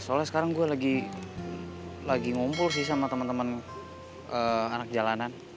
soalnya sekarang gue lagi ngumpul sih sama teman teman anak jalanan